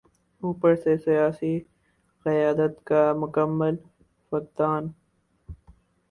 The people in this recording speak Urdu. اوپر سے سیاسی قیادت کا مکمل فقدان۔